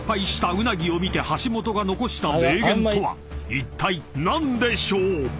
［いったい何でしょう？］